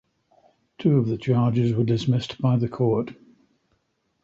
Two of the charges were dismissed by the Court.